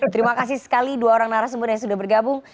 terima kasih sekali dua orang narasumber yang sudah bergabung